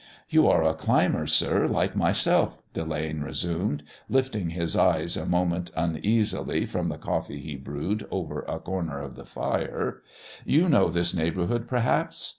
"You are a climber, sir, like myself," Delane resumed, lifting his eyes a moment uneasily from the coffee he brewed over a corner of the fire. "You know this neighbourhood, perhaps?